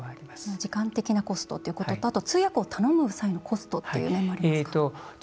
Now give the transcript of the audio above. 時間的なコストってこととあとは通訳を頼む際のコストっていう面もありますか？